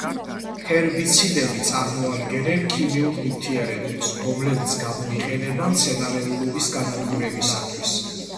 ჰერბიციდები წარმოადგენენ ქიმიურ ნივთიერებებს, რომლებიც გამოიყენება მცენარეულობის განადგურებისთვის.